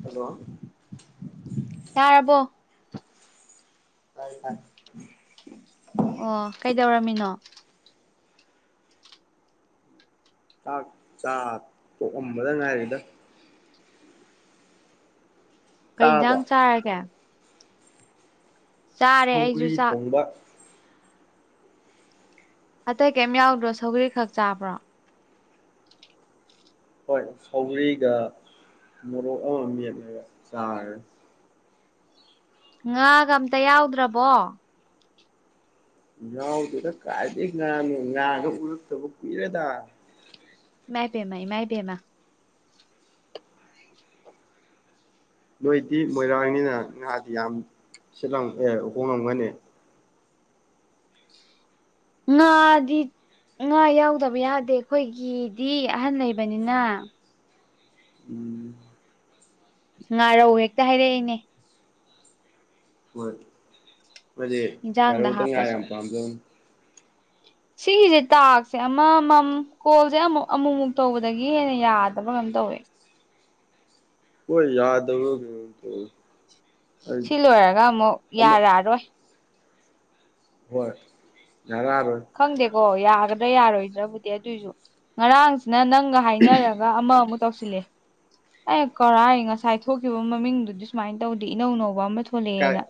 hello [inaudible] ꯌꯥꯥꯔꯔꯕꯣ ꯇꯥꯏ ꯇꯥꯏ ꯑꯣ ꯀꯩꯗꯧꯔꯝꯃꯤꯅꯣ ꯆꯥꯛ ꯆꯥ ꯇꯣꯛꯑꯝꯕꯗ ꯉꯥꯏꯔꯤꯗ ꯀꯩ ꯆꯥꯔꯕꯣ ꯏꯟꯖꯥꯡ ꯆꯥꯔꯒꯦ ꯆꯥꯔꯦ ꯑꯩꯁꯨ ꯆꯥꯛ ꯈꯕ ꯑꯇꯩ ꯀꯩꯝ ꯌꯥꯎꯗ꯭ꯔꯣ ꯁꯧꯒꯔꯤ ꯈꯛ ꯆꯥꯕ꯭ꯔꯣ ꯍꯣꯏ ꯁꯧꯗ꯭ꯔꯤꯒ ꯃꯣꯔꯣꯛ ꯑꯃ ꯃꯦꯛꯂꯒ ꯆꯥꯔꯦ ꯉꯥꯒ ꯑꯝꯇ ꯌꯥꯎꯗ꯭ꯔꯕꯣ ꯉꯥꯎꯗꯨꯅ ꯀꯥꯏꯗꯩ ꯉꯥꯅ ꯉꯥꯒ ꯎꯔꯛꯇꯕ ꯀꯨꯏꯔꯦꯗ ꯃꯥꯏꯕꯦꯃ ꯃꯥꯏꯕꯦꯝꯃ ꯅꯣꯏꯗꯤ ꯃꯣꯏꯔꯥꯡꯅꯤꯅ ꯉꯥꯗꯤ ꯌꯥꯝ ꯁꯤꯠꯂꯝ ꯑꯦ ꯍꯣꯡꯉꯝꯒꯅꯤ ꯉꯥꯗꯤ ꯉꯥ ꯌꯥꯎꯗꯕ ꯌꯥꯗꯦ ꯑꯩꯈꯣꯏꯒꯤꯗꯤ ꯑꯍꯟ ꯂꯩꯕꯅꯤꯅ ꯎꯝ ꯉꯥꯔꯧ ꯍꯦꯛꯇ ꯍꯥꯏꯔꯛꯏꯅꯦ ꯍ ꯃꯗ ꯀꯔ ꯏꯟꯖꯥꯡꯗ ꯎꯇ ꯉꯔ ꯍꯥꯞꯄꯁꯨ ꯌꯥꯝ ꯄꯝ ꯁꯤꯒꯤꯁꯦ ꯇꯥꯛꯁꯦ ꯑꯃꯃꯝ ꯀꯣꯜꯁꯦ ꯑꯃꯨꯛ ꯑꯃꯨꯛꯃꯨꯛ ꯇꯧꯕꯗꯒꯤ ꯍꯦꯟꯅ ꯌꯥꯗꯕ ꯀꯩꯅꯝ ꯇꯧꯋꯦ ꯍꯣꯏ ꯌꯥꯗ ꯑꯃ ꯀ ꯁꯤ ꯂꯣꯏꯔꯒ ꯑꯃꯨꯛ ꯌꯥꯔꯛꯑꯔꯣꯏ ꯍꯣꯏ ꯌꯥꯔ ꯌꯥꯔꯣꯏ ꯈꯪꯗꯦꯀꯣ ꯌꯥꯒꯗ꯭ꯔꯥ ꯌꯥꯔꯣꯏꯗ꯭ꯔꯕꯨꯗꯤ ꯑꯗꯨꯑꯣꯏꯁꯨ ꯉꯔꯥꯡꯁꯤꯅ ꯅꯪꯒ ꯍꯥꯏꯅꯔꯒ ꯒ ꯑꯃꯨꯛ ꯇꯧꯁꯤꯜꯂꯦ ꯑꯦ ꯀꯧꯔ ꯉꯁꯥꯏ ꯊꯣꯛꯈꯤꯕ ꯃꯃꯤꯡꯗꯨꯗꯤ ꯁꯨꯃꯥꯏꯅ ꯇꯧꯗꯦ ꯏꯅꯧ ꯅꯧꯕ ꯑꯃ ꯊꯣꯛ ꯊꯣꯛꯂꯛꯑꯦꯅ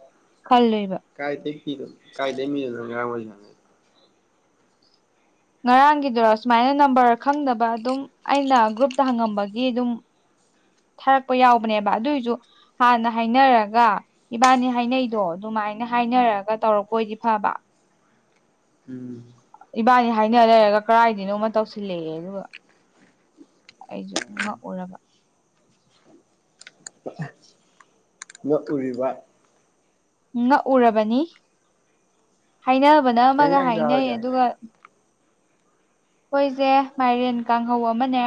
ꯈꯜꯂꯣꯏꯕ ꯀꯥꯏꯗꯒꯤ ꯀꯥꯏꯗꯃꯤ ꯅꯪ ꯉꯔꯥꯡꯒꯤꯗꯨꯔꯣ ꯁꯨꯃꯥꯏꯅ ꯅꯝꯕꯔ ꯈꯪꯗꯕ ꯑꯗꯨꯝ ꯑꯩꯅ ꯒ꯭ꯔꯨꯞꯇ ꯍꯪꯉꯝꯕꯒꯤ ꯑꯗꯨꯝ ꯊꯥꯔꯛꯄ ꯌꯥꯎꯕꯅꯦꯕ ꯑꯗꯨꯑꯣꯏꯁꯨ ꯍꯥꯟꯅ ꯍꯥꯏꯅꯔꯒ ꯏꯕꯥꯅꯤ ꯍꯥꯏꯅꯩꯗꯣ ꯑꯗꯨꯃꯥꯏꯅ ꯍꯥꯏꯅꯔꯒ ꯇꯧꯔꯛꯄ ꯑꯣꯏꯗꯤ ꯐꯕ [unintelligible] ꯏꯕꯥꯅꯤ ꯍꯥꯏꯅ ꯂꯩꯔꯒ ꯀꯗꯥꯥꯏꯗꯅꯣꯃ ꯇꯧꯁꯤꯜꯂꯛꯑꯦ ꯑꯗꯨꯒ ꯑꯩꯁꯨ ꯉꯛꯎꯔꯕ [unintelligible] ꯃꯣꯠꯂꯨꯔꯤꯕ ꯉꯛꯎꯔꯕꯅꯤ ꯍꯥꯏꯅꯕꯅ ꯀꯩ ꯑꯃꯒ ꯏꯟꯖꯥꯡ ꯍꯥꯏꯅꯩ ꯆꯥꯔꯒꯦ ꯑꯗꯨꯒ ꯑꯩꯈꯣꯏꯁꯦ ꯃꯥꯏꯔꯦꯟ ꯀꯥꯡꯍꯧ ꯑꯃꯅꯦ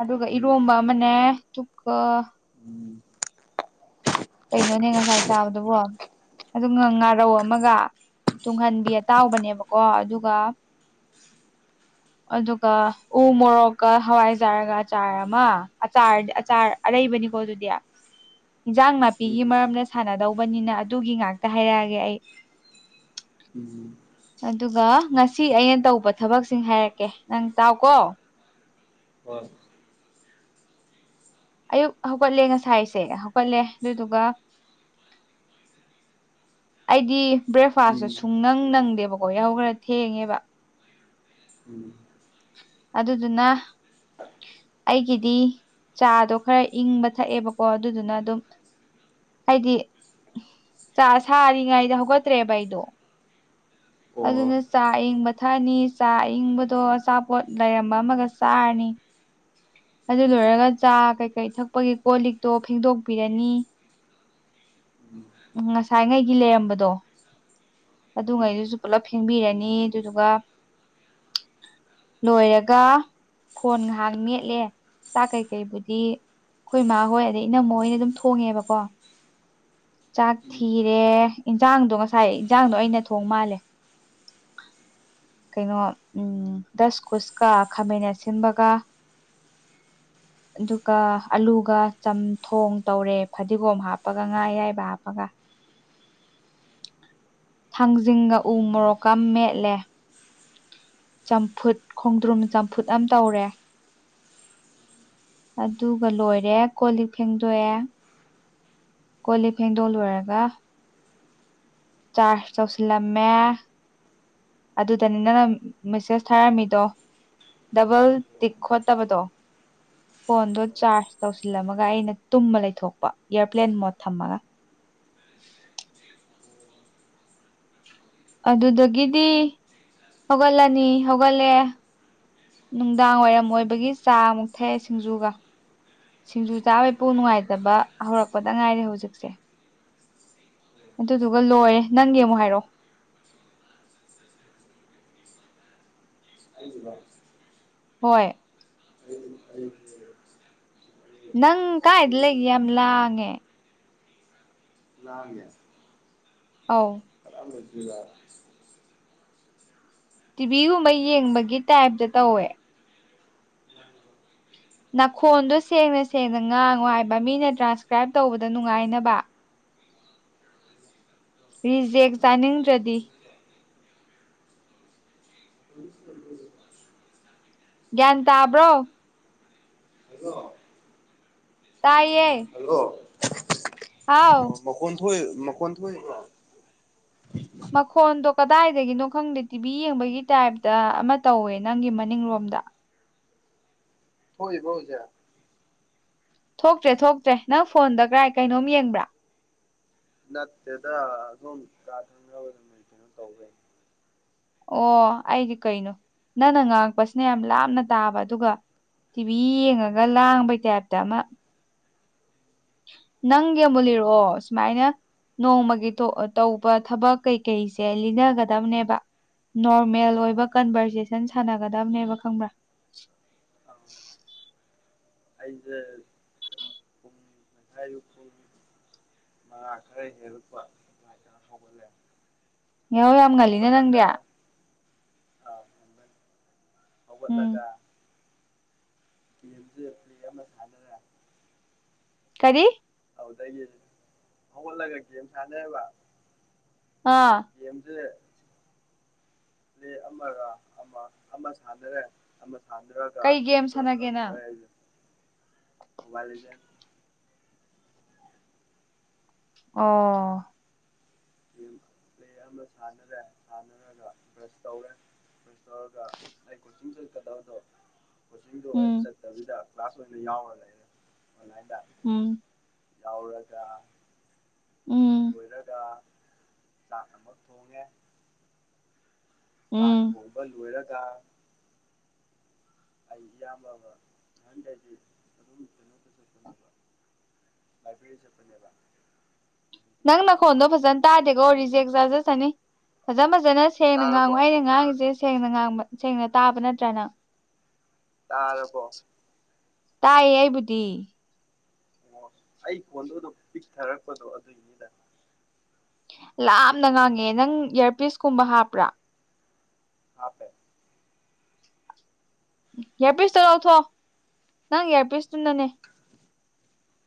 ꯑꯗꯨꯒ ꯎꯝ ꯏꯔꯣꯝꯕ ꯑꯃꯅꯦ ꯆꯨꯀ ꯎꯝ ꯀꯩꯅꯣꯅꯦ ꯉꯁꯥꯏ ꯆꯥꯕꯗꯨꯕꯣ ꯑꯗꯨ ꯉꯥꯔꯧ ꯑꯃꯒ ꯇꯨꯡꯍꯟꯕꯤ ꯑꯇꯥꯎꯕꯅꯦꯕꯀꯣ ꯑꯗꯨꯒ [inaudible] ꯑꯗꯨꯒ ꯎ ꯃꯣꯔꯣꯛꯀ ꯍꯋꯥꯏꯖꯥꯔꯒ ꯑꯆꯥꯔ ꯑꯃ ꯑꯆꯥꯔ ꯑꯆꯥꯔ ꯑꯔꯩꯕꯅꯤꯀꯣ ꯑꯗꯨꯗꯤ ꯏꯟꯖꯥꯡ ꯅꯞ ꯄꯤꯒꯤ ꯎꯝ ꯃꯔꯝꯗ ꯁꯥꯟꯅꯗꯧꯕꯅꯤꯅ ꯑꯗꯨꯒꯤ ꯉꯥꯛꯇ ꯍꯥꯏꯔꯛꯑꯒꯦ ꯑꯩ [inaudible] ꯑꯗꯨꯒ ꯉꯁꯤ ꯑꯩꯅ ꯇꯧꯕ ꯊꯕꯛꯁꯤꯡ ꯍꯥꯏꯔꯛꯀꯦ ꯅꯪ ꯇꯥꯎꯀꯣ [unintelligible] ꯑꯌꯨꯛ ꯍꯧꯒꯠꯂꯦ ꯉꯁꯥꯏꯁꯦ ꯍꯧꯒꯠꯂꯦ ꯑꯗꯨꯏꯗꯨꯒ ꯑꯩꯗꯤ ꯎꯝ ꯕ꯭ꯔꯦꯛꯐꯥꯁꯇꯨ ꯁꯨꯡ ꯅꯪ ꯅꯪꯗꯦꯕꯀꯣ ꯌꯥꯍꯧ ꯈꯔ ꯊꯦꯡꯉꯦꯕ [inaudible] [unintelligible] ꯑꯗꯨꯗꯨꯅ ꯑꯩꯒꯤꯗꯤ ꯆꯥꯗꯣ ꯈꯔ ꯏꯪꯕ ꯊꯛꯑꯦꯕꯀꯣ ꯑꯗꯨꯗꯨꯅ ꯑꯗꯨꯝ ꯍꯥꯏꯗꯤ ꯆꯥꯛ ꯁꯥꯔꯤꯉꯥꯏꯗ ꯍꯧꯒꯠꯇ꯭ꯔꯦꯕ ꯑꯩꯗꯣ ꯑꯣ ꯑꯗꯨꯅ ꯆꯥ ꯑꯪꯕꯊꯥꯅꯤ ꯆꯆꯥ ꯑꯏꯪꯕꯗꯣ ꯑꯆꯥꯄꯣꯠ ꯂꯩꯔꯝꯕ ꯑꯃꯒ ꯆꯥꯔꯅꯤ ꯑꯗꯨ ꯎꯝ ꯂꯣꯏꯔꯒ ꯆꯥ ꯀꯩꯀꯩ ꯊꯛꯄꯒꯤ ꯀꯣꯜ ꯂꯤꯛꯇꯣ ꯐꯦꯡꯗꯣꯛꯄꯤꯔꯅꯤ ꯎꯝ ꯉꯁꯥꯏ ꯉꯩꯒꯤ ꯂꯩꯔꯝꯕꯗꯣ ꯑꯗꯨꯉꯩꯗꯨꯁꯨ ꯄꯨꯂꯞ ꯐꯦꯡꯕꯤꯔꯅꯤ ꯑꯗꯨꯗꯨꯒ ꯂꯣꯏꯔꯒ ꯐꯣꯟ ꯉꯥꯏꯍꯥꯛ ꯃꯦꯠꯂꯦ ꯆꯥꯛ ꯀꯩꯀꯩꯕꯨꯗꯤ ꯑꯩꯈꯣꯏ ꯃꯥꯍ ꯍꯣꯏ ꯑꯗꯩ ꯏꯅꯝꯃ ꯍꯣꯏ ꯑꯣꯏꯅ ꯑꯗꯨꯝ ꯊꯣꯡꯉꯦꯕꯀꯣ ꯆꯥꯛ ꯊꯤꯔꯦ ꯏꯟꯖꯥꯡꯗꯣ ꯉꯁꯥꯏ ꯏꯟꯖꯥꯡꯗꯣ ꯑꯩꯅ ꯊꯣꯡ ꯃꯥꯜꯂꯦ [unintelligible] ꯀꯩꯅꯣ ꯎꯝ ꯗꯁ ꯀꯨꯁꯀ ꯈꯥꯃꯦꯟ ꯑꯁꯤꯟꯕꯒ [unintelligible] ꯑꯗꯨꯒ ꯑꯂꯨꯒ ꯆꯝꯊꯣꯡ ꯇꯧꯔꯦ ꯐꯗꯤꯒꯣꯝ ꯍꯥꯞꯄꯒ ꯉꯥ ꯑꯌꯥꯏꯕ ꯍꯥꯞꯄ ꯍꯒ ꯊꯥꯡꯖꯤꯡꯒ ꯎ ꯃꯣꯔꯣꯛꯀ ꯃꯦꯠꯂꯦ ꯆꯝꯐꯨꯠ ꯈꯣꯡꯗ꯭ꯔꯨꯝ ꯆꯝꯐꯨꯠ ꯑꯃ ꯇꯧꯔꯦ ꯑꯗꯨꯒ ꯂꯣꯏꯔꯦ ꯀꯣꯜ ꯂꯤꯛ ꯐꯦꯡꯗꯣꯛꯑꯦ ꯀꯣ ꯂꯤꯞ ꯐꯦꯡꯗꯣꯛ ꯂꯣꯏꯔꯒ ꯆꯥꯔꯁ ꯇꯧꯁꯤꯂꯝꯃꯦ ꯑꯗꯨꯗꯅꯤ ꯅꯪꯅ ꯃꯦꯁꯦꯁ ꯊꯥꯔꯝꯃꯤꯗꯣ ꯗꯕꯜ ꯇꯤꯛ ꯈꯣꯠꯇꯕꯗꯣ ꯐꯣꯟꯗꯣ ꯆꯥꯔꯖ ꯇꯧꯁꯤꯜꯂꯝꯃꯒ ꯑꯩꯅ ꯇꯨꯝꯃ ꯂꯩꯊꯣꯛꯄ ꯏꯌꯥꯔꯄ꯭ꯂꯦꯟ ꯃꯣꯠ ꯊꯝꯃꯒ ꯑꯗꯨꯗꯒꯤꯗꯤ ꯍꯧꯒꯠꯂꯅꯤ ꯍꯧꯒꯠꯂꯦ ꯅꯨꯡꯗꯥꯡ ꯋꯥꯏꯔꯝ ꯑꯣꯏꯕꯒꯤ ꯆꯥꯃꯨꯛ ꯊꯛꯑꯦ ꯁꯤꯡꯖꯨꯒ ꯁꯤꯡꯖꯨ ꯆꯥꯕꯩꯄꯨ ꯅꯨꯡꯉꯥꯏꯇꯕ ꯍꯧꯔꯛꯄꯗ ꯉꯥꯏꯔꯦ ꯍꯧꯖꯤꯛꯁꯦ ꯑꯗꯨꯗꯨꯒ ꯂꯣꯏꯔꯦ ꯅꯪꯒꯤ ꯑꯃꯨꯛ ꯍꯥꯏꯔꯛꯑꯣ [unintelligible] ꯍꯣꯏ [unintelligible] ꯅꯪ ꯀꯥꯏꯗ ꯑꯩ ꯂꯩꯒꯦ ꯌꯥꯝ ꯂꯥꯡꯉꯦ ꯂꯥꯡꯒꯦ ꯑꯥꯎ [unintelligible] ꯇꯤꯚꯤꯒꯨꯝꯕ ꯌꯦꯡꯕꯒꯤ ꯇꯥꯏꯞꯇ ꯇꯧꯋꯦ ꯅꯥꯈꯣꯟꯗꯣ ꯁꯦꯡꯅ ꯁꯦꯡꯅ ꯉꯥꯡꯉꯣ ꯍꯥꯏꯕ ꯃꯤꯅ ꯇ꯭ꯔꯥꯟꯁꯀ꯭ꯔꯥꯏꯞ ꯇꯧꯕꯗ ꯅꯨꯡꯉꯥꯏꯅꯕ ꯎ ꯔꯤꯖꯦꯛ ꯆꯥꯅꯤꯡꯗ꯭ꯔꯗꯤ [inaudible] ꯒꯌ꯭ꯥꯟ ꯇꯥꯕ꯭ꯔꯣ ꯍꯗꯣ ꯇꯥꯏꯌꯦ [unintelligible] ꯍꯥꯎ ꯑꯣ ꯃꯈꯣꯟ ꯊꯣꯛꯏ ꯃꯈꯣꯟ ꯊꯣꯛꯏ ꯃꯈꯣꯟꯗꯣ ꯀꯗꯥꯏꯗꯒꯤꯅꯣ ꯈꯪꯗꯦ ꯇꯤꯚꯤ ꯌꯦꯡꯕꯒꯤ ꯇꯥꯏꯞꯇ ꯑꯃ ꯇꯧꯋꯦ ꯅꯪꯒꯤ ꯃꯅꯤꯡꯂꯣꯝꯗ ꯊꯣꯛꯏꯕꯣ ꯍꯧꯖꯤꯛ ꯊꯣꯛꯇ꯭ꯔꯦ ꯊꯣꯛꯇ꯭ꯔꯦ ꯅꯪ ꯐꯣꯟꯗ ꯀꯔꯥꯏ ꯀꯩꯅꯣꯝ ꯌꯦꯡꯕ꯭ꯔꯥ ꯅꯠꯇꯦꯗ ꯑꯗꯨꯝ [unintelligible] ꯇꯧꯒ ꯑꯣ ꯑꯩꯗꯤ ꯀꯩꯅꯣ ꯅꯪꯅ ꯉꯥꯡꯉꯛꯄꯁꯤꯅ ꯌꯥꯝ ꯂꯥꯞꯅ ꯇꯥꯕ ꯑꯗꯨꯒ ꯇꯤꯚꯤ ꯌꯦꯡꯉꯒ ꯂꯥꯡꯕꯩ ꯇꯥꯏꯞꯇ ꯑꯃ ꯅꯪꯒꯤ ꯃꯨꯂꯤꯔꯛꯑꯣ ꯁꯨꯃꯥꯏꯅ ꯅꯣꯡꯃꯒꯤ ꯇꯧꯕ ꯊꯕꯛ ꯀꯩꯀꯩꯁꯦ ꯂꯤꯅꯒꯗꯕꯅꯦꯕ ꯅꯣꯔꯃꯦꯜ ꯑꯥ ꯑꯣꯏꯕ ꯀꯟꯚꯔꯖꯦꯁꯟ ꯁꯥꯟꯅꯒꯗꯕꯅꯦꯕ ꯈꯪꯕ꯭ꯔꯥ ꯑꯥ ꯑꯩꯖꯦ ꯉꯌꯨꯛ ꯄꯨꯡ ꯃꯉꯥ ꯈꯔ ꯍꯦꯜꯂꯛꯄ ꯑꯗꯥꯏꯗ ꯍꯧꯒꯠꯂꯦ ꯌꯥꯍꯧ ꯌꯥꯝ ꯉꯜꯂꯤꯅ ꯅꯪꯗꯤ ꯍꯧꯒꯠꯂꯒ ꯑꯥ ꯎꯝ ꯍꯧꯒꯠꯂꯒ ꯒꯦꯝꯁꯦ ꯄ꯭ꯂꯦ ꯑꯃ ꯁꯥꯟꯅꯔꯦ ꯀꯔꯤ ꯑꯗꯨꯗꯒꯤ ꯍꯧꯒꯠꯂꯒ ꯒꯦꯝ ꯁꯥꯟꯅꯩꯕ ꯑꯥ ꯒꯦꯝꯖꯦ ꯄ꯭ꯂꯦ ꯑꯃꯒ ꯑꯃ ꯑꯃ ꯁꯥꯟꯅꯔꯦ ꯑꯃ ꯁꯥꯟꯅꯔ ꯀꯩ ꯒꯦꯝ ꯁꯥꯟꯅꯒꯦꯅ ꯃꯣꯕꯥꯏꯜ ꯂꯤꯖꯦꯟ ꯑꯣ ꯄ꯭ꯂꯦ ꯑꯃ ꯁꯥꯟꯅꯔꯦ ꯁꯥꯟꯅꯔꯒ ꯕ꯭ꯔꯁ ꯇꯧꯔꯦ [unintelligible] ꯇꯧꯔꯒ ꯑꯩ ꯀꯣꯆꯤꯡ ꯆꯠꯀꯗꯕꯗꯣ ꯀꯣꯆꯤꯡꯗꯣ ꯎꯝ ꯆꯠꯇꯕꯤꯗ ꯀ꯭ꯂꯥꯁ ꯑꯣꯏꯅ ꯌꯥꯎꯔ ꯂꯩꯔꯦ ꯑꯣꯟꯂꯥꯏꯟꯗ ꯎꯝ ꯌꯥꯎꯔꯒ ꯎꯝ ꯆꯥꯛ ꯑꯃꯛ ꯊꯣꯡꯉꯦ ꯆꯥꯛ ꯎꯝ ꯊꯣꯉꯕ ꯂꯣꯏꯔꯒ ꯑꯩ ꯏꯌꯥꯝꯕꯃ ꯅꯥꯍꯟꯗꯒꯤ ꯑꯗꯨꯝ ꯀꯩꯅꯣꯇ ꯆꯠꯄꯅꯦꯕ ꯂꯥꯏꯕ꯭ꯔꯤ ꯆꯠꯄꯅꯦꯕ ꯅꯪ ꯅꯈꯣꯟꯗꯣ ꯐꯖꯅ ꯇꯥꯗꯦꯀꯣ ꯔꯤꯖꯦꯛ ꯆꯥꯖꯆꯅꯤ ꯐꯖꯅ ꯐꯖꯅ ꯁꯦꯡꯅ ꯉꯥꯡꯉꯨ ꯇꯥꯔꯕꯣ ꯑꯩꯅ ꯉꯥꯡꯉꯤꯁꯦ ꯁꯦꯡꯅ ꯉꯥꯡꯕ ꯁꯦꯡꯅ ꯇꯥꯕ ꯅꯠꯇ꯭ꯔ ꯅꯪ ꯇꯥꯔꯕꯣ ꯇꯥꯏꯌꯦ ꯑꯩꯕꯨꯗꯤ ꯑꯣ ꯑꯩ ꯈ‌ꯣꯟꯗ‌ꯣ ꯗꯨꯝ ꯄꯤꯛꯊꯔꯛꯄꯗꯣ ꯑꯗꯨꯏꯅꯤꯗ ꯂꯥꯞꯅ ꯉꯥꯡꯉ‌ꯦ ꯅꯪ ꯏꯌꯥꯔꯄꯤꯁ ꯀꯨꯝꯕ ꯍꯥꯞꯄ꯭ꯔꯥ ꯍꯥꯞꯄ‌‌ꯦ ꯏꯌꯥꯔꯄꯤꯁꯇꯣ ꯂꯧꯊꯣ ꯅꯪ ꯏꯌꯥꯔꯄꯤꯁꯇꯨꯅꯅꯦ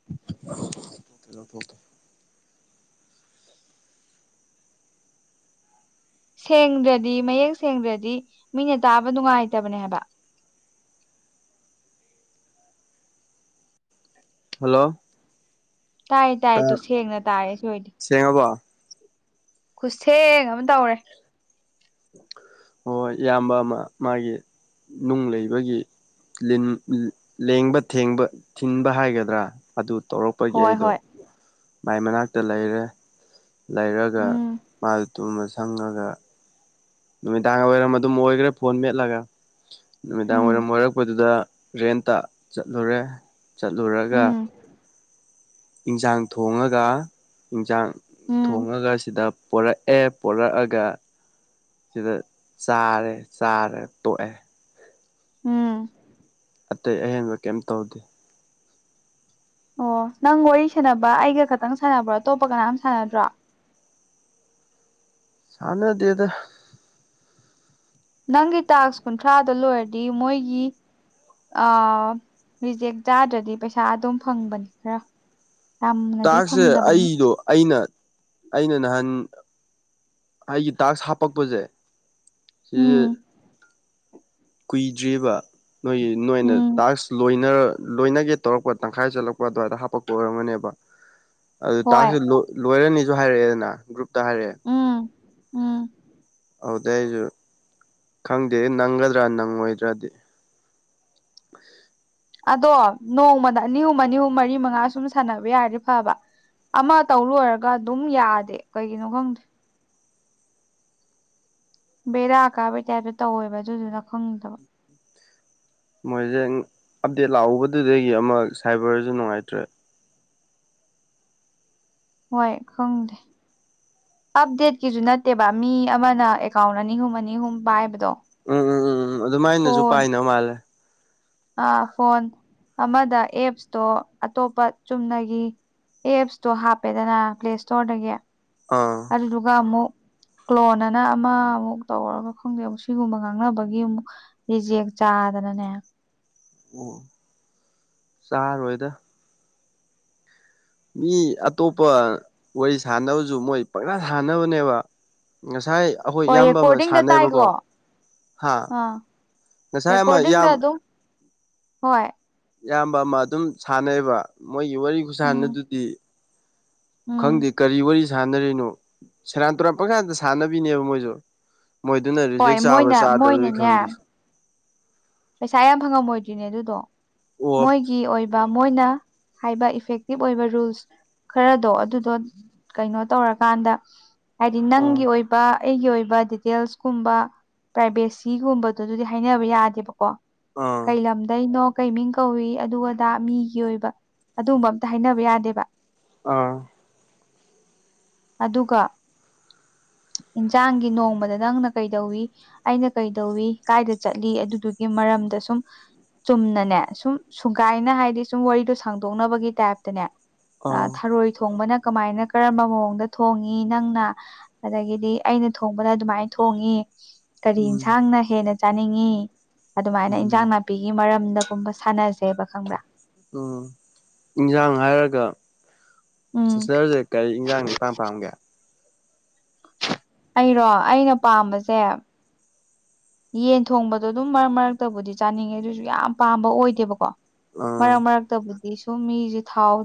[unintelligible] ꯀꯦ ꯁꯦꯡꯗ꯭ꯔꯗꯤ ꯃꯌꯦꯛ ꯁꯦꯡꯗ꯭ꯔꯗꯤ ꯃꯤꯅ ꯇꯥꯕ ꯅꯨꯡꯉꯥꯏꯇꯕꯅꯦ ꯍꯥꯏꯕ ꯍꯜꯂꯣ ꯇꯥꯏ ꯇꯥꯏꯌꯦ ꯇꯨ ꯁꯦꯡꯅ ꯇꯥꯔꯦ ꯁꯤ ꯑꯣꯏꯗꯤ ꯁꯦꯡꯉꯕꯣ ꯈꯨꯠꯊꯦꯡ ꯑꯃ ꯇꯧꯔꯦ ꯍꯣꯏꯣꯏ ꯏꯌꯥꯝꯕ ꯑꯃ ꯃꯥꯒꯤ ꯅꯨꯡ ꯂꯩꯕꯒꯤ ꯂꯦꯡꯕꯕ ꯊꯤꯟꯕ ꯍꯥꯏꯒꯗ꯭ꯔꯥ ꯑꯗꯨ ꯇꯧꯔꯛ ꯄꯒꯤ ꯍꯣꯏ ꯑꯩꯗꯣ ꯍꯣꯏ ꯃꯥꯏ ꯃꯅꯥꯛꯇ ꯂꯩꯔꯦ ꯂꯩꯔꯒ ꯎꯝ ꯃꯥ ꯇꯨꯝꯃ ꯁꯪꯉꯒ ꯅꯨꯃꯤꯗꯥꯡ ꯋꯥꯏꯔꯝ ꯑꯗꯨꯝ ꯑꯣꯏꯈ꯭ꯔꯦ ꯐꯣꯟ ꯃꯦꯠꯂꯒ ꯅꯨꯃꯤꯗꯥꯡ ꯎꯝ ꯋꯥꯏꯔꯝ ꯑꯣꯏꯔꯛꯄꯗꯨꯗ ꯔꯦꯟꯇ ꯆꯠꯂꯨꯔꯦ ꯆꯠꯂꯨꯔꯒ ꯎꯝ ꯏꯟꯁꯥꯡ ꯊꯣꯡꯉꯒ ꯏꯟꯁꯥꯡ ꯎꯝ ꯊꯣꯡꯉꯒ ꯁꯤꯗ ꯄꯣꯔꯛꯑꯦ ꯄꯣꯔꯛꯑꯒ ꯁꯤꯗ ꯆꯥꯔꯦ ꯆꯥꯔꯦ ꯇꯣꯛꯑꯦ ꯎꯝ ꯑꯇꯩ ꯑꯍꯦꯟꯕ ꯀꯩꯝ ꯇꯧꯗꯦ ꯑꯣ ꯅꯪ ꯋꯥꯔꯤ ꯁꯥꯟꯅꯕ ꯑꯩꯒ ꯈꯛꯇꯪ ꯁꯥꯟꯅꯕ꯭ꯔꯣ ꯑꯇꯣꯞꯄ ꯀꯅꯥꯝ ꯁꯥꯟꯅꯗ꯭ꯔꯣ ꯁꯥꯟꯅꯗ‌ꯦꯗ ꯅꯪꯒꯤ ꯇꯥꯛꯁ ꯀꯨꯟꯊ꯭ꯔꯥꯗ‌ꯣ ꯂꯣꯏꯔꯗꯤ ꯃꯣꯏꯒꯤ ꯑ ꯔꯤꯖꯦꯛ ꯆꯥꯗ꯭ꯔꯗꯤ ꯄꯩꯁꯥ ꯑꯗꯨꯝ ꯐꯪꯕꯅꯤ ꯈꯔ ꯌꯥꯝꯅꯗꯤ ꯇꯥꯛꯁ ꯁꯦ ꯐꯪꯗꯕꯅꯤ ꯑꯩꯗꯣ ꯑꯩꯅ ꯑꯩꯅ ꯅꯍꯥꯟ ꯑꯩꯒꯤ ꯇꯥꯛꯁ ꯍꯥꯞꯄꯛꯄꯖ‌ꯦ ꯁꯤꯖ‌‌ꯦ ꯎꯝ ꯀꯨꯏꯗ꯭ꯔꯤꯕ ꯅꯣꯏꯒꯤ ꯅꯣꯏꯅ ꯎꯝ ꯇꯥꯛꯁ ꯂꯣꯏꯅꯔ ꯂꯣꯏꯅꯒꯦ ꯇꯧꯔꯛꯄ ꯇꯪꯈꯥꯏ ꯆꯠꯂꯛꯄ ꯑꯗꯨꯋꯥꯏꯗ ꯍꯥꯞꯄꯛꯄ ꯑꯣꯏꯔꯝꯒꯅꯦꯕ ꯑꯗꯨ ꯍꯣꯏ ꯇꯥꯛꯁ ꯁꯤ ꯂ‌ꯣ ꯂꯣꯏꯔꯅꯤꯁꯨ ꯍꯥꯏꯔꯛꯑꯦꯗꯅ ꯒ꯭ꯔꯨꯞꯇ ꯍꯥꯏꯔꯛꯑꯦ ꯎꯝ ꯎꯝ ꯑꯗꯨꯗꯩ ꯑꯩꯖꯨ ꯈꯪꯗꯦ ꯅꯪꯒꯗ꯭ꯔꯥ ꯅꯪꯉꯣꯏꯗ꯭ꯔꯗꯤ ꯑꯗꯣ ꯅꯣꯡꯃꯗ ꯑꯅꯤ ꯑꯍꯨꯝ ꯑꯅꯤ ꯑꯍꯨꯝ ꯃꯔꯤ ꯃꯉꯥ ꯁꯨꯝ ꯁꯥꯟꯅꯕ ꯌꯥꯔꯗꯤ ꯐꯕ ꯑꯃ ꯇꯧ ꯂ‌ꯣꯏꯔꯒ ꯑꯗꯨꯝ ꯌꯥꯗꯦ ꯀꯩꯒꯤꯅꯣ ꯈꯪꯗꯦ ꯕꯦꯔꯥ ꯀꯥꯕꯩ ꯇꯥꯏꯞꯇ ꯇꯧꯋꯦꯕ ꯑꯗꯨꯗꯨꯅ ꯈꯪꯗꯕ ꯃꯣꯏꯖ‌ꯦꯟ ꯑꯞꯗꯦꯠ ꯂꯥꯛꯎꯕꯗꯨꯗꯒꯤ ꯑꯃ ꯁꯥꯏꯕꯔꯁ‌ꯦ ꯅꯨꯡꯉꯥꯏꯇ꯭ꯔꯦ ꯍ‌ꯣꯏ ꯈꯪꯗꯦ ꯑꯞꯗꯦꯠꯀꯤꯁꯨ ꯅꯠꯇꯦꯕ ꯃꯤ ꯑꯃꯅ ꯑꯦꯀꯥꯎꯟ ꯑꯅꯤ ꯑꯍꯨꯝ ꯑꯅꯤ ꯑꯍꯨꯝ ꯄꯥꯏꯕꯗꯣ ꯎꯝ ꯎꯝ ꯎꯝ ꯎꯝ ꯑꯗꯨꯃꯥꯏꯅꯁꯨ ꯐꯣꯟ ꯄꯥꯏꯅ ꯃꯥꯜꯂꯦ ꯑꯥ ꯐꯣꯟ ꯑꯃꯗ ꯑꯦꯞꯁꯇꯣ ꯑꯇꯣꯞꯄ ꯆꯨꯝꯅꯒꯤ ꯑꯦꯞꯁꯇꯣ ꯍꯥꯞꯄꯦꯗꯅ ꯄ꯭ꯂꯦ ꯏꯁꯇꯣꯔꯗꯒꯤ ꯑꯥ ꯑꯗꯨꯗꯨꯒ ꯑꯃꯨꯛ ꯀ꯭ꯂ‌ꯣꯟ ꯑꯅ ꯑꯃꯃꯨꯛ ꯇꯧꯔꯒ ꯈꯪꯗꯦ ꯑꯃꯨꯛ ꯁꯤꯒꯨꯝꯕ ꯉꯥꯡꯅꯕꯒꯤ ꯑꯃꯨꯛ ꯔꯤꯖ‌ꯦꯛ ꯆꯥꯗꯅꯅꯦ ꯑꯣ ꯆꯥꯔꯣꯏꯗ ꯃꯤ ꯑꯇꯣꯞꯄ ꯋꯥꯔꯤ ꯁꯥꯟꯅꯕꯁꯨ ꯃꯣꯏ ꯄꯪꯁꯥ ꯁꯥꯟꯅꯕꯅꯦꯕ ꯉꯁꯥꯏ ꯑꯩꯈꯣꯏ ꯍꯣꯏ ꯏꯌꯥꯝꯕ ꯑꯃ ꯔꯦꯀꯣꯔꯗꯤꯡꯗ ꯁꯥꯟꯅꯩꯕꯀꯣ ꯇꯥꯏꯗꯣ ꯍꯥ ꯑꯥ ꯉꯁꯥꯏ ꯑꯃ ꯔꯦꯀꯣꯔꯗꯤꯡꯗ ꯏꯌꯥꯝ ꯑꯗꯨꯝ ꯍꯣꯏ ꯏꯌꯥꯝꯕ ꯑꯃ ꯑꯗꯨꯝ ꯁꯥꯟꯅꯩꯕ ꯃꯣꯏꯒꯤ ꯋꯥꯔꯤ ꯈꯨꯁꯥꯟ ꯎꯝ ꯅꯥꯗꯨꯗꯤ ꯎꯝ ꯈꯪꯗꯦ ꯀꯔꯤ ꯋꯥꯔꯤ ꯁꯥꯟꯅꯔꯤꯅꯣ ꯁꯦꯔꯥꯟ ꯇꯨꯔꯟ ꯄꯪꯁꯥꯗ ꯁꯥꯟꯅꯕꯤꯅꯦꯕ ꯃꯣꯏꯁꯨ ꯃꯣꯏꯗꯨꯅ ꯍꯣꯏ ꯔꯤꯖꯦꯛ ꯆꯥꯕ ꯃꯣꯏꯅ ꯆꯥꯗ꯭ꯔꯁꯨ ꯃꯣꯏꯅꯅꯦ ꯈꯪꯗꯦ ꯄꯩꯁꯥ ꯌꯥꯝ ꯐꯪꯉꯝꯃꯣꯏꯗ꯭ꯔꯤꯅꯦ ꯑꯗꯨꯗꯣ ꯑꯣ ꯃꯣꯏꯒꯤ ꯑꯣꯏ ꯕ ꯃꯣꯏꯅ ꯍꯥꯏꯕ ꯏꯐꯦꯛꯇꯤꯞ ꯑꯣꯏꯕ ꯔꯨꯜꯁ ꯈꯔꯗꯣ ꯑꯗꯨꯗꯣ ꯀꯩꯅꯣ ꯇꯧꯔꯀꯥꯟꯗ ꯍꯥꯏꯗꯤ ꯑ ꯅꯪꯒꯤ ꯑꯣꯏꯕ ꯑꯩꯒꯤ ꯑꯣꯏꯕ ꯗꯤꯇꯦꯜꯁꯀꯨꯝꯕ ꯄ꯭ꯔꯥꯏꯕꯦꯁꯤꯒꯨꯝꯕ ꯗꯨꯗꯤ ꯍꯥꯏꯅꯕ ꯌꯥꯗꯦꯕꯀꯣ ꯑꯥ ꯀꯩ ꯂꯝꯗꯩꯅꯣ ꯀꯩ ꯃꯤꯡ ꯀꯧꯋꯤ ꯑꯗꯨ ꯑꯗꯥ ꯃꯤꯒꯤ ꯑꯣꯏꯕ ꯑꯗꯨꯝꯕ ꯑꯝꯇ ꯍꯥꯏꯅꯕ ꯌꯥꯗꯦꯕ ꯑꯥ ꯑꯗꯨꯒ ꯏꯟꯁꯥꯡꯒꯤ ꯅꯣꯡꯃꯗ ꯅꯪꯅ ꯀꯩꯗꯧꯋꯤ ꯑꯩꯅ ꯀꯩꯗꯧꯋꯤ ꯀꯥꯏꯗ ꯆꯠꯂꯤ ꯑꯗꯨꯗꯨꯒꯤ ꯃꯔꯝꯗ ꯁꯨꯝ ꯆꯨꯝꯅꯅꯦ ꯁꯨꯝ ꯁꯨꯒꯥꯏꯅ ꯍꯥꯏꯗꯤ ꯁꯨꯝ ꯋꯥꯔꯤꯗꯣ ꯁꯥꯡꯗꯣꯛꯅꯕꯒꯤ ꯇꯥꯏꯞꯇꯅꯦ ꯑꯥ ꯊꯥꯔꯣꯏ ꯊꯣꯡꯕꯅ ꯀꯃꯥꯏꯅ ꯀꯔꯝꯕ ꯃꯑꯣꯡꯗ ꯊꯣꯡꯉꯤ ꯅꯪꯅ ꯑꯗꯒꯤꯗꯤ ꯑꯩꯅ ꯊꯣꯡꯕꯅꯥ ꯑꯗꯨꯃꯥꯏꯅ ꯊꯣꯡꯉꯤ ꯀꯔꯤ ꯎꯝ ꯌꯦꯟꯁꯥꯡꯅ ꯍꯦꯟꯅ ꯆꯥꯅꯤꯡꯉꯤ ꯑꯗꯨꯃꯥꯏꯅ ꯏꯟꯁꯥꯡ ꯎꯝ ꯅꯥꯄꯤ ꯄꯤꯒꯤ ꯃꯔꯝꯗꯒꯨꯝꯕ ꯁꯥꯟꯅꯁꯦꯕ ꯈꯪꯕ꯭ꯔꯥ ꯎꯝ ꯏꯟꯁꯥꯡ ꯍꯥꯏꯔꯒ ꯎꯝ ꯁꯤꯁꯇꯔꯁꯦ ꯀꯔꯤ ꯏꯟꯖꯥꯡ ꯅꯥ ꯏꯄꯥꯝ ꯄꯥꯝꯒꯦ ꯑꯩꯔꯣ ꯑꯩꯅ ꯄꯥꯝꯕꯁꯦ ꯌꯦꯟ ꯊꯣꯡꯕꯗꯣ ꯑꯗꯨꯝ ꯃꯔꯛ ꯃꯔꯛꯇꯕꯨꯗꯤ ꯆꯥꯅꯤꯡꯉꯦ ꯑꯗꯨꯁꯨ ꯌꯥꯝ ꯄꯥꯝꯕ ꯑꯣꯏꯗꯦꯕꯀꯣ ꯑꯥ ꯃꯔꯛ ꯃꯔꯛ ꯇꯕꯨꯗꯤ ꯁꯨꯝ ꯃꯤꯁꯦ ꯊꯥꯎ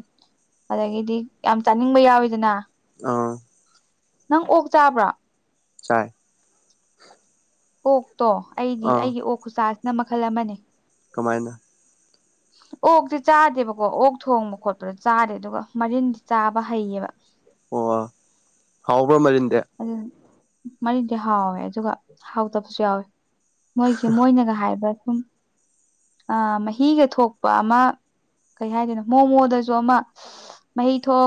ꯑꯗꯒꯤꯗꯤ ꯌꯥꯝ ꯆꯥꯅꯤꯡꯕ ꯌꯥꯎꯋꯤꯗꯅ ꯑꯥ ꯅꯪ ꯑꯣꯛ ꯆꯥꯕ꯭ꯔꯣ ꯆꯥꯏ ꯑꯣꯛꯇꯣ ꯑꯩꯗꯤ ꯑꯥ ꯑꯩꯒꯤ ꯑꯣꯛ ꯈꯨꯆꯥꯁꯤꯅ ꯃꯈꯜ ꯑꯃꯅꯦ ꯀꯃꯥꯏꯅ ꯑꯣꯛꯇꯤ ꯆꯥꯗꯦꯕꯀꯣ ꯑꯣꯛ ꯊꯣꯡꯕ ꯈꯣꯠꯄꯗꯣ ꯆꯥꯗꯦ ꯑꯗꯨꯒ ꯃꯔꯤꯟꯗꯤ ꯆꯥꯕ ꯍꯩꯌꯦꯕ ꯑꯣ ꯍꯥꯎꯕ꯭ꯔꯥ ꯃꯔꯤꯟꯗꯤ ꯑꯗꯨ ꯃꯔꯤꯟꯗꯤ ꯍꯥꯎꯋꯦ ꯑꯗꯨꯒ ꯍꯥꯎꯇꯕꯁꯨ ꯌꯥꯎꯋꯦ ꯃꯣꯏꯒꯤ ꯃꯣꯏꯅꯒ ꯍꯥꯏꯕ ꯁꯨꯝ ꯑ ꯃꯍꯤꯒ ꯊꯣꯛꯄ ꯑꯃ ꯀꯩ ꯍꯥꯏꯗꯣꯏꯅꯣ ꯃꯣꯃꯣꯗꯁꯨ ꯑꯃ ꯃꯍꯤ ꯊꯣꯛ